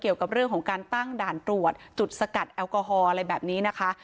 เกี่ยวกับเรื่องของการตั้งด่านตรวจจุดสกัดแอลกอฮอล์อะไรแบบนี้นะคะ